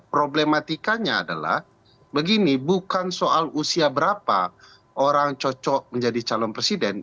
problematikanya adalah begini bukan soal usia berapa orang cocok menjadi calon presiden